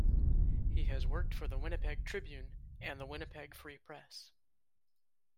He has worked for the "Winnipeg Tribune" and the "Winnipeg Free Press".